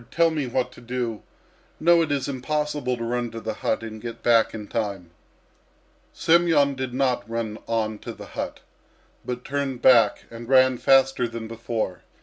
Tell me what to do!... No, it is impossible to run to the hut and get back in time." Semyon did not run on to the hut, but turned back and ran faster than before.